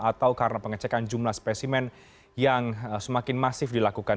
atau karena pengecekan jumlah spesimen yang semakin masif dilakukan